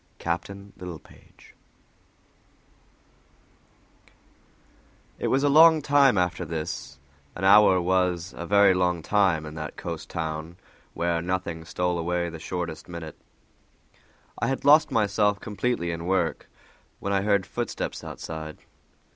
V. Captain Littlepage IT WAS A long time after this; an hour was very long in that coast town where nothing stole away the shortest minute. I had lost myself completely in work, when I heard footsteps outside.